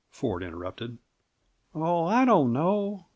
Ford interrupted. "Oh, I don't know!